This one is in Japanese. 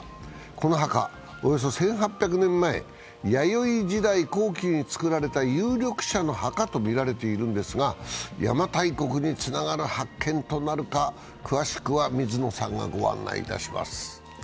この墓、およそ１８００年前弥生時代後期に造られた有力者の墓とみられているんですが邪馬台国につながる発見となるか、詳しくは水野さんがご案内します。